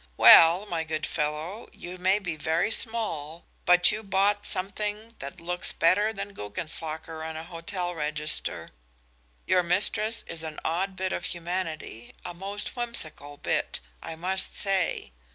Well, my good fellow, you may be very small, but you bought something that looks better than Guggenslocker on a hotel register. Your mistress is an odd bit of humanity, a most whimsical bit, I must say.